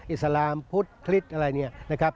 อิสลามพุทธคริสต์อะไรเนี่ยนะครับ